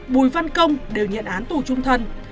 bùi văn công đều nhận án tù chung thân